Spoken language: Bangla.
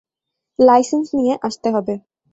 লাইসেন্স নিয়ে আসতে হবে।